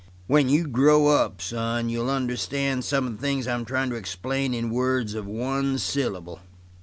"When you grow up, son, you'll understand some of the things I'm tryin' to explain in words of one syllable.